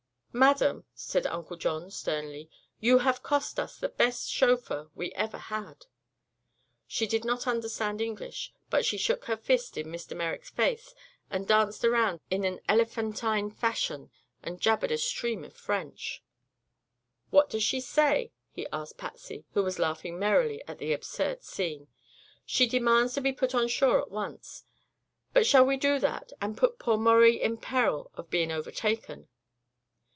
"Madam," said Uncle John, sternly, "you have cost us the best chauffeur we ever had." She did not understand English, but she shook her fist in Mr. Merrick's face and danced around in an elephantine fashion and jabbered a stream of French. "What does she say?" he asked Patsy, who was laughing merrily at the absurd scene. "She demands to be put ashore at once. But shall we do that, and put poor Maurie in peril of being overtaken?"